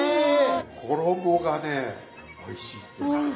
衣がねおいしいんですよ。